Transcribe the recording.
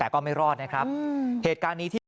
แต่ก็ไม่รอดนะครับ